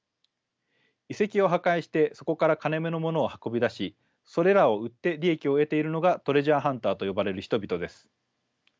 遺跡を破壊してそこから金めの物を運び出しそれらを売って利益を得ているのがトレジャーハンターと呼ばれる人々です。